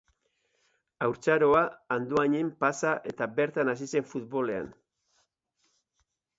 Haurtzaroa Andoainen pasa eta bertan hasi zen futbolean.